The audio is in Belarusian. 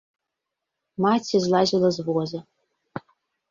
Маці злазіла з воза.